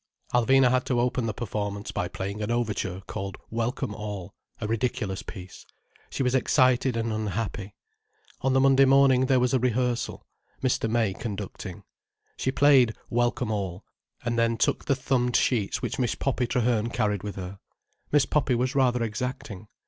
Alvina had to open the performance by playing an overture called "Welcome All": a ridiculous piece. She was excited and unhappy. On the Monday morning there was a rehearsal, Mr. May conducting. She played "Welcome All," and then took the thumbed sheets which Miss Poppy Traherne carried with her. Miss Poppy was rather exacting.